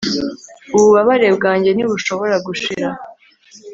ububabare bwanjye ntibushobora gushira